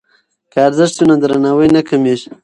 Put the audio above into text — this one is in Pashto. که ارزښت وي نو درناوی نه کمېږي.